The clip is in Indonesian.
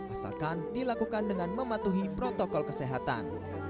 asalkan dilakukan dengan mematuhi protokol kesehatan